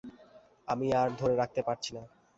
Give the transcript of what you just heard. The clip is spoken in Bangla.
আমি আর ধরে রাখতে পারছি না।